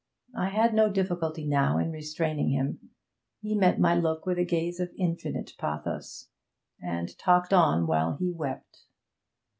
I had no difficulty now in restraining him. He met my look with a gaze of infinite pathos, and talked on while he wept.